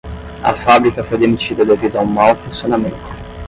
A fábrica foi demitida devido a um mau funcionamento.